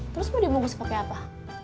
terus mau dibungkus pakai apa